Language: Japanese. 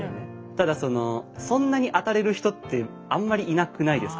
ただそのそんなに当たれる人ってあんまりいなくないですか？